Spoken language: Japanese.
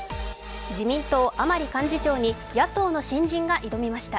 自民党・甘利幹事長に野党の新人が挑みました。